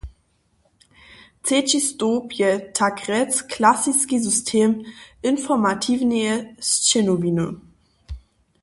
Třeći stołp je takrjec klasiski system informatiwneje sćěnowiny.